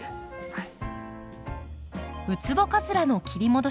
はい。